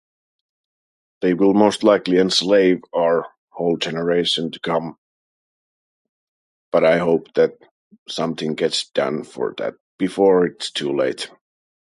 They will most likely enslave our whole generation to come, but I hope that something gets done for that before it's too late.